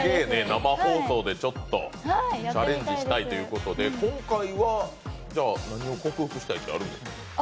生放送でちょっとチャレンジしたいということで、今回は、克服したいものってあるんですか。